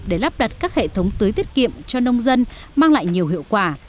để lắp đặt các hệ thống tưới tiết kiệm cho nông dân mang lại nhiều hiệu quả